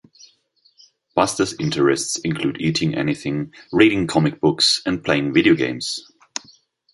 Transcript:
Buster's interests include eating anything, reading comic books, and playing video games.